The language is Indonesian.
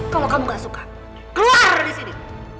kalo kamu gak suka keluar disini